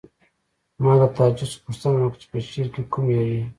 ما له تعجب څخه پوښتنه وکړه چې په شعر کې کوم یو یې